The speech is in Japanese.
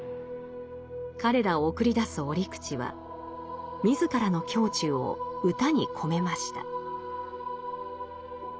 彼らを送り出す折口は自らの胸中を歌に込めました。